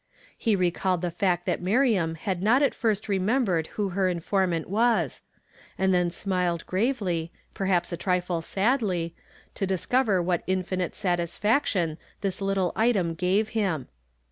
He recalled the fact that Miriam had not at first remem])ered who her informant was ; and then smiled gravely, per haps a trifle sadly, to discover what infinite satis faction this little item gave him.